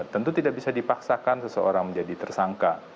tentu tidak bisa dipaksakan seseorang menjadi tersangka